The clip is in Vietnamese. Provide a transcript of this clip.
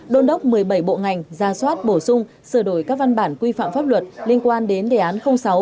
đôn đốc một mươi bảy bộ ngành ra soát bổ sung sửa đổi các văn bản quy phạm pháp luật liên quan đến đề án sáu